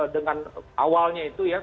dengan awalnya itu ya